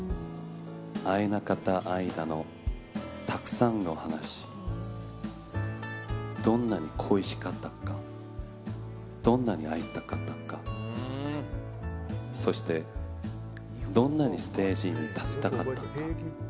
会えなかった間のたくさんの話どんなに恋しかったかどんなに会いたかったかそして、どんなにステージに立ちたかったか。